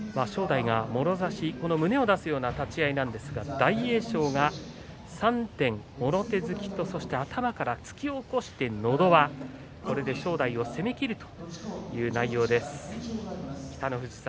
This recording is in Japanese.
正代が、もろ差し、胸を出すような立ち合いなんですが大栄翔が３点もろ手突きと頭から突き起こしのど輪正代を攻めています。